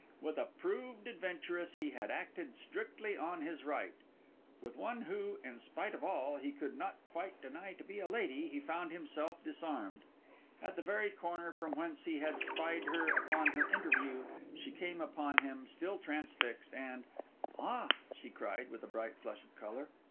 With a proved adventuress he had acted strictly on his right; with one who, in spite of all, he could not quite deny to be a lady, he found himself disarmed. At the very corner from whence he had spied upon her interview, she came upon him, still transfixed, and—'Ah!' she cried, with a bright flush of colour.